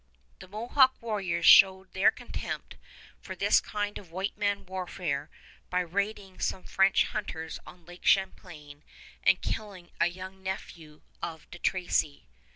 The Mohawk warriors showed their contempt for this kind of white man warfare by raiding some French hunters on Lake Champlain and killing a young nephew of De Tracy.